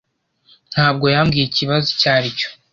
ntabwo yambwiye ikibazo icyo ari cyo.